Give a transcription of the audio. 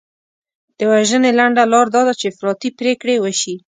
د وژنې لنډه لار دا ده چې افراطي پرېکړې وشي.